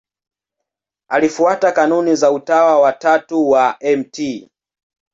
Alifuata kanuni za Utawa wa Tatu wa Mt.